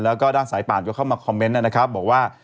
แล้วก็ด้านสายป่านเข้ามาคอมเมนต์บอกว่า